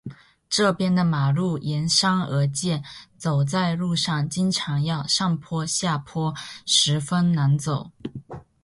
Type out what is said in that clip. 这边的马路沿山而建，走在路上经常要上坡下坡，十分难走。